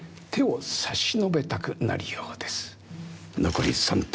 「残り３点」